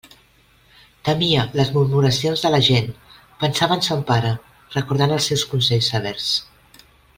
Temia les murmuracions de la gent; pensava en son pare, recordant els seus consells severs.